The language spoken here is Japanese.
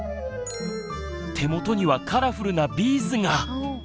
手元にはカラフルなビーズが。